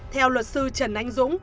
theo luật sư trần anh dũng